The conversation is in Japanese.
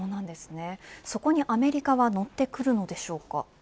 そこにアメリカは乗ってくるのでしょうか。